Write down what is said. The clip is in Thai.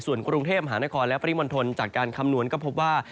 ส่วนกรุงเทพมหานครและปริมณฑลจากการคำนวณก็พบว่า